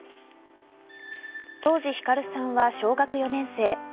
当時、ひかるさんは小学４年生。